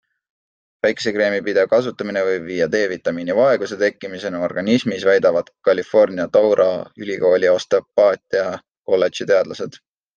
Päikesekreemi pidev kasutamine võib viia D-vitamiini vaeguse tekkimiseni organismis, väidavad Kalifornia Touro Ülikooli Osteopaatia kolldeži teadlased.